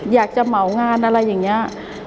เหมางานอะไรอย่างนี้